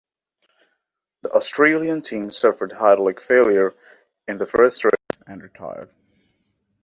The Australian team suffered hydraulic failure in the first race and retired.